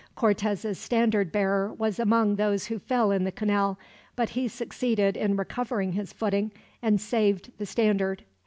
Cortez's standard bearer was among those who fell in the canal, but he succeeded in recovering his footing, and saved the standard.